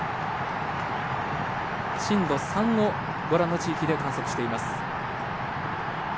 震度３をご覧の地域で観測しています。